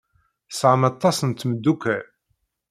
Tesɛamt aṭas n tmeddukal.